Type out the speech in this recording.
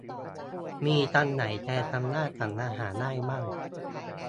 มีคำไหนแทนคำว่า 'สั่งอาหาร' ได้บ้าง